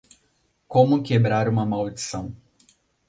Como quebrar uma maldição